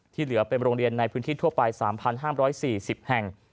เหลือเป็นโรงเรียนในพื้นที่ทั่วไป๓๕๔๐แห่ง